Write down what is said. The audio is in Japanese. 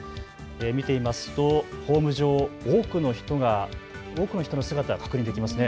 見てみますとホーム上多くの人の姿が確認できますね。